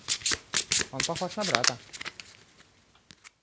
Он похож на брата.